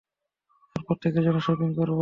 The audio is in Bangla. আর প্রত্যেকের জন্য শপিং করবো।